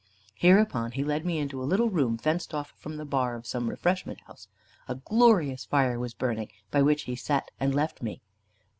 Hereupon he led me into a little room, fenced off from the bar of some refreshment house. A glorious fire was burning, by which he set and left me.